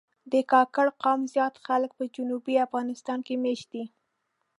د کاکړ قوم زیات خلک په جنوبي افغانستان کې مېشت دي.